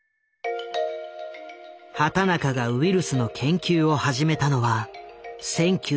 畑中がウイルスの研究を始めたのは１９６０年代前半。